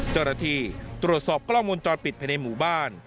เจราะที่ตรวจสอบกล้องมนตรปิดไปในหมู่บ้าน